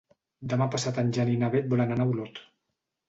Demà passat en Jan i na Beth volen anar a Olot.